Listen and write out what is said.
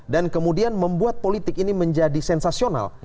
dan kemudian membuat politik ini menjadi sensasional